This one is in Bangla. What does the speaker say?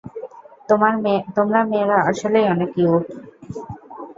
তোমরা মেয়েরা আসলেই অনেক কিউট!